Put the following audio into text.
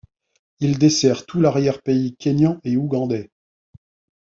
Il dessert tout l'arrière-pays kenyan et ougandais.